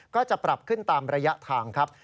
ก็จะปรับขึ้นตามระยะทางครับ